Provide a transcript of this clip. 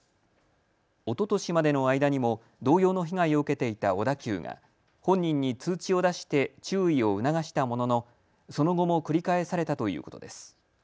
おととしまでの間にも同様の被害を受けていた小田急が本人に通知を出して注意を促したものの、その後も繰り返されたということです。